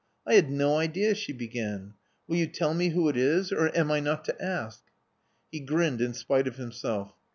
"I had no idea " she began. "Will you tell me who it is; or am I not to ask?" He grinned in spite of himself.